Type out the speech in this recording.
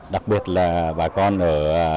đặc biệt là bà con ở